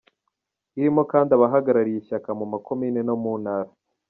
Irimo kandi abahagarariye ishyaka mu makomine no mu ntara.